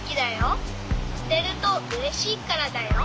あてるとうれしいからだよ。